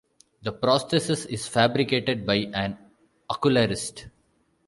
The prosthesis is fabricated by an ocularist.